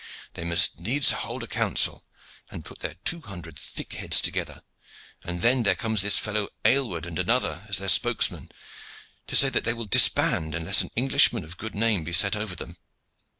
They must needs hold a council and put their two hundred thick heads together, and then there comes this fellow Aylward and another, as their spokesmen, to say that they will disband unless an Englishman of good name be set over them.